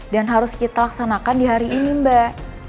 dan harus kita laksanakan di hari ini mbak